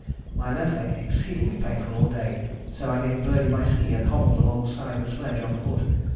"My left leg exceedingly painful all day, so I gave Birdie my ski and hobbled alongside the sledge on foot.